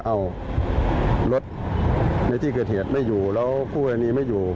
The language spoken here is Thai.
เอารถในที่เกิดเหตุไม่อยู่แล้วคู่กรณีไม่อยู่